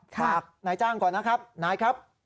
ฝากนายจ้างก่อนนะครับนายครับ